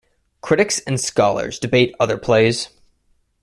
Critics and scholars debate other plays.